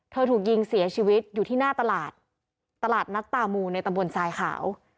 ถูกยิงเสียชีวิตอยู่ที่หน้าตลาดตลาดนัดตามูในตำบลทรายขาว